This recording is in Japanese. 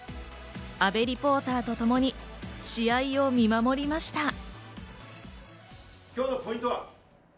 阿部リポーターとともに試合を見守りました。